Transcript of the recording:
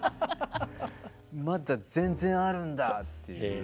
まだ全然あるんだっていう。